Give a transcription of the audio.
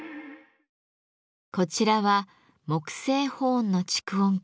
こちらは木製ホーンの蓄音機。